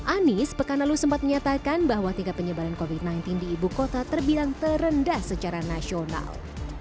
anies pekan lalu sempat menyatakan bahwa tingkat penyebaran covid sembilan belas di ibu kota terbilang terendah secara nasional